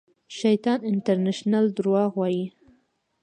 شیطان انټرنېشنل درواغ وایي